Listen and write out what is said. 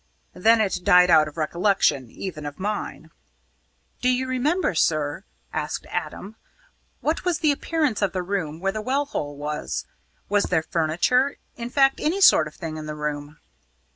Then it died out of recollection even of mine." "Do you remember, sir," asked Adam, "what was the appearance of the room where the well hole was? Was there furniture in fact, any sort of thing in the room?"